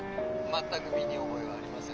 全く身に覚えはありません。